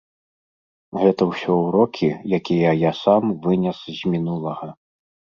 Гэта ўсё ўрокі, якія я сам вынес з мінулага.